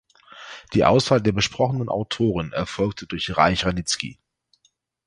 Die Auswahl der besprochenen Autoren erfolgte durch Reich-Ranicki.